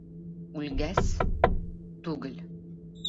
Үлгәс... түгел.